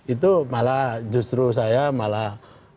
itu malah justru saya malah agak bisa berpikir